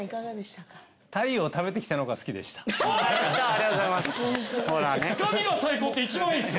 やったありがとうございます。